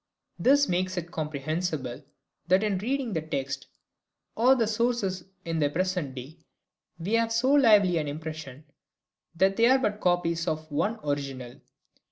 This makes it comprehensible that in reading the text or the scores in the present day we have so lively an impression that they are but copies of one original.